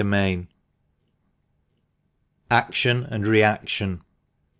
* ACTION AND RE ACTION.